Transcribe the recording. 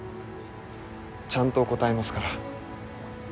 ちゃんと答えますから。